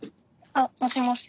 あっもしもし。